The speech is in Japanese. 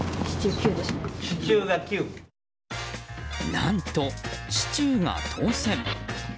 何と、シチューが当選！